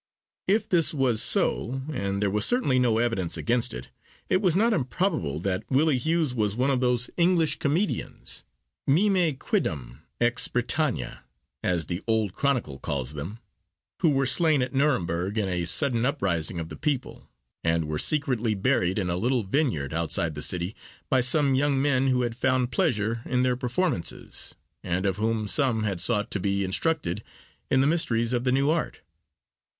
If this was so—and there was certainly no evidence against it—it was not improbable that Willie Hughes was one of those English comedians (mimæ quidam ex Britannia, as the old chronicle calls them), who were slain at Nuremberg in a sudden uprising of the people, and were secretly buried in a little vineyard outside the city by some young men 'who had found pleasure in their performances, and of whom some had sought to be instructed in the mysteries of the new art.